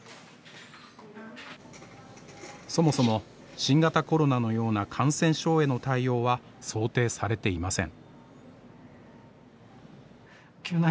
そもそも新型コロナのような感染症への対応は想定されていません。